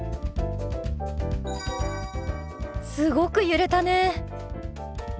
すごく揺れたね。